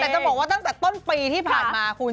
แต่จะบอกว่าตั้งแต่ต้นปีที่ผ่านมาคุณ